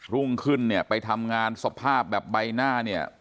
รุ่งขึ้นเนี่ยไปทำงานสภาพแบบใบหน้าเนี่ย